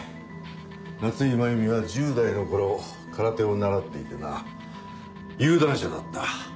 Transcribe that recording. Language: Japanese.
夏井真弓は１０代の頃空手を習っていてな有段者だった。